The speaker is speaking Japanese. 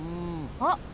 あっ。